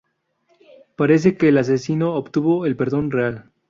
Parece que el asesino obtuvo el perdón real.